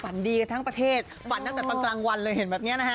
ดีกันทั้งประเทศฝันตั้งแต่ตอนกลางวันเลยเห็นแบบนี้นะฮะ